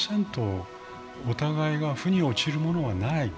お互いが腑に落ちるものはない。